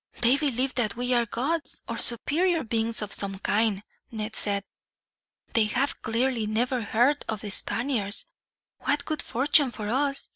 "They believe that we are gods, or superior beings of some kind," Ned said. "They have clearly never heard of the Spaniards. What good fortune for us!